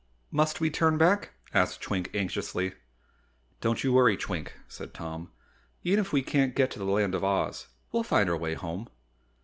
"Must we turn back?" asked Twink anxiously. "Don't you worry, Twink," said Tom, "even if we can't get to the Land of Oz, we'll find our way home."